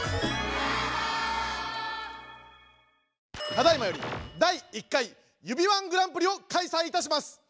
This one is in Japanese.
ただいまより第１回指ー１グランプリをかいさいいたします。